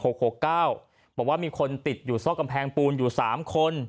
บอกว่ามีคนติดอยู่ซอกกำแพงปูนอยู่๓คน